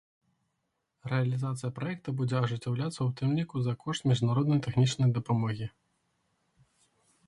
Рэалізацыя праекта будзе ажыццяўляцца ў тым ліку за кошт міжнароднай тэхнічнай дапамогі.